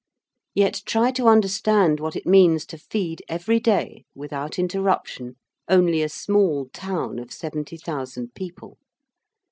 Yet try to understand what it means to feed every day, without interruption, only a small town of 70,000 people.